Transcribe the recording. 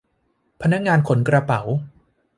พนักงานขนกระเป๋า